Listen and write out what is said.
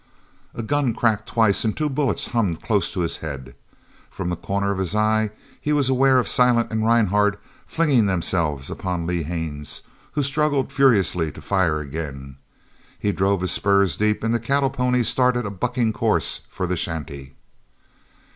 A gun cracked twice and two bullets hummed close to his head. From the corner of his eye he was aware of Silent and Rhinehart flinging themselves upon Lee Haines, who struggled furiously to fire again. He drove his spurs deep and the cattle pony started a bucking course for the shanty.